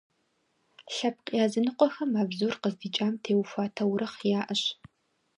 Лъэпкъ языныкъуэхэм а бзур къыздикӏам теухуа таурыхъ яӏэщ.